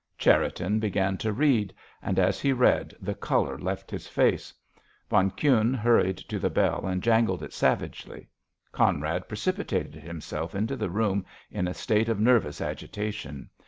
Cherriton began to read, and as he read the colour left his face. Von Kuhne hurried to the bell and jangled it savagely. Conrad precipitated himself into the room in a state of nervous agitation.